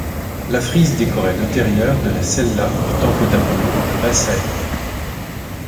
La frise décorait l'intérieur de la cella du Temple d'Apollon à Bassæ.